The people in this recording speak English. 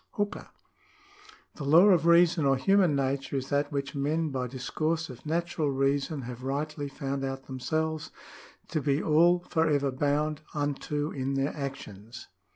^ Hooker. —" The law of reason or human nature is that which men by discourse of natural reason have rightly found out themselves to be all for ever bound unto in their actions."